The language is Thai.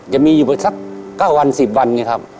จะมีอยู่ประมาณ๙๑๐วันนะครับ